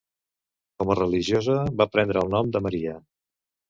Com a religiosa, va prendre el nom de Maria.